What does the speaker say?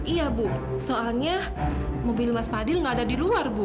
iya bu soalnya mobil mas fadil nggak ada di luar bu